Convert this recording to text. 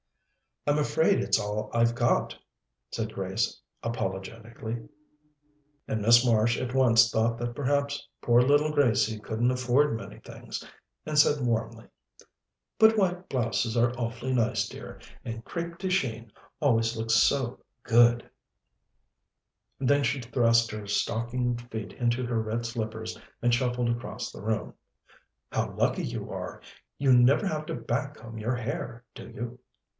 "I'm afraid it's all I've got," said Grace apologetically; and Miss Marsh at once thought that perhaps poor little Gracie couldn't afford many things, and said warmly: "But white blouses are awfully nice, dear, and crêpe de Chine always looks so good." Then she thrust her stockinged feet into her red slippers and shuffled across the room. "How lucky you are! You never have to back comb your hair, do you?"